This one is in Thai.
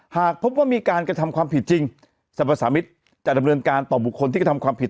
หากพบว่ามีการกระทำความผิดจริงสรรพสามิตรจะดำเนินการต่อบุคคลที่กระทำความผิด